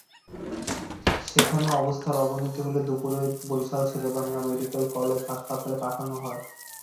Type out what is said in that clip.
সেখানে অবস্থার অবনতি হলে দুপুরে বরিশাল শেরেবাংলা মেডিকেল কলেজ হাসপাতালে পাঠানো হয়।